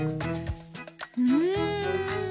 うん？